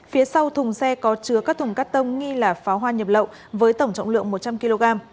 phía sau thùng xe có chứa các thùng cắt tông nghi là pháo hoa nhập lậu với tổng trọng lượng một trăm linh kg